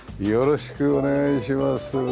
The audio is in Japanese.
よろしくお願いします。